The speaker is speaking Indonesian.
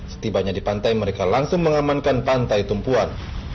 setibanya di pantai mereka langsung mengamankan pantai tumpuan